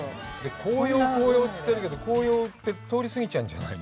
紅葉、紅葉って言ってるけど、紅葉って、通り過ぎちゃうんじゃないの？